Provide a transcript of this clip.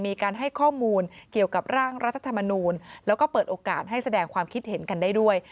มีการให้ข้อมูลเกี่ยวกับร่างรัฐธรรมนูลแล้วก็เปิดโอกาสให้แสดงความคิดเห็นกันได้ด้วย